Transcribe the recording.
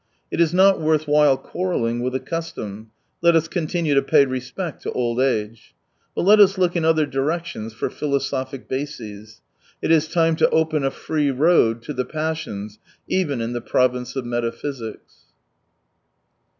It is not worth while quarrelling with a custom — let us continue to pay respect to old age. But let us look in other directions for philosophic bases. It is, time to open a free road to the passions even in the province of metaphysics.